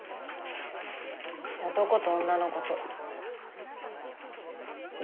男と女のこと。